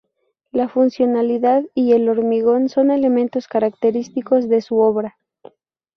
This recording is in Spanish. La funcionalidad y el hormigón son elementos característicos de su obra.